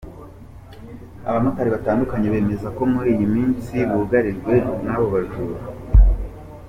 abamotare batandukanye bemeza ko muri iyi minsi bugarijwe n’abo bajura.